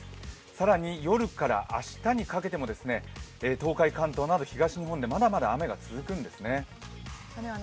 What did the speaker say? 更に夜から明日にかけても東海・関東など東日本でまだまだ雨が続くんですね。